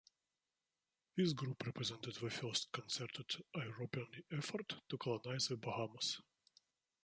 This group represented the first concerted European effort to colonize the Bahamas.